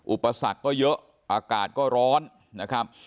อุปสรรคก็เยอะอากาศก็ร้อนนะครับ